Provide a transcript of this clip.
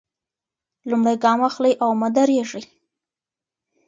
لومړی ګام واخلئ او مه درېږئ.